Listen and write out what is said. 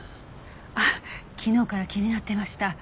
あっ昨日から気になっていました。